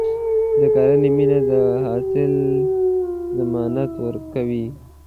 د کرنې مینه د حاصل ضمانت کوي.